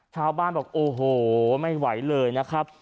ชาวบ้านบอกโอ้โหไม่ไหวเลยนะครับ